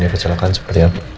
dan kecelakaan seperti apa